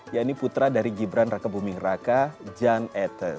yang ini putra dari gibran rakebuming raka jan etes